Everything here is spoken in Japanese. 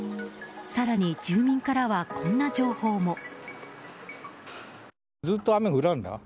更に住民からは、こんな情報も。